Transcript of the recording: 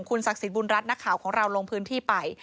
ศักดิ์สิทธิบุญรัฐนักข่าวของเราลงพื้นที่ไป